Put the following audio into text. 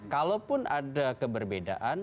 kalaupun ada keberbedaan